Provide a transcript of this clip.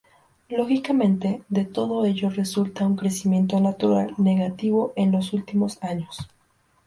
Lógicamente, de todo ello resulta un crecimiento natural negativo en los últimos años.